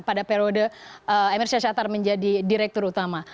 pada periode emir syahshatar menjadi direktur utama